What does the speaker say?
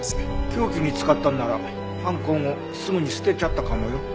凶器に使ったんなら犯行後すぐに捨てちゃったかもよ。